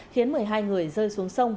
khiến một mươi hai người rơi xuống sông